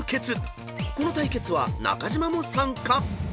［この対決は中島も参加］